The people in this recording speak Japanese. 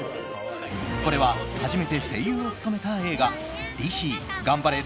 これは、初めて声優を務めた映画「ＤＣがんばれ！